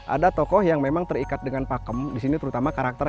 ada tokoh yang memang terikat dengan pakem disini terutama karakter